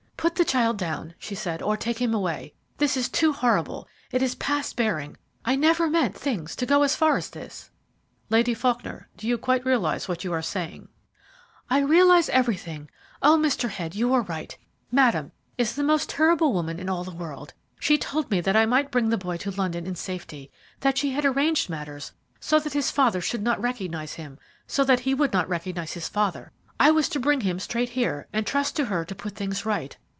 "Put the child down," she said, "or take him away. This is too horrible; it is past bearing. I never meant things to go as far as this." "Lady Faulkner, do you quite realize what you are saying?" "I realize everything. Oh, Mr. Head, you were right. Madame is the most terrible woman in all the world. She told me that I might bring the boy to London in safety that she had arranged matters so that his father should not recognize him so that he would not recognize his father. I was to bring him straight here, and trust to her to put things right.